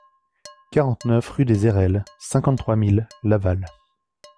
quarante-neuf rue des Ayrelles, cinquante-trois mille Laval